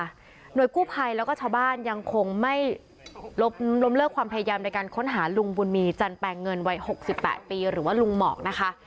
หน่วยกู้ภัยแล้วก็ชาวบ้านยังคงไม่ล้มเลิกความพยายามในการค้นหาลุงบุญมีจันแปลงเงินวัย๖๘ปีหรือว่าลุงหมอกนะคะ